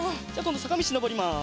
どさかみちのぼります。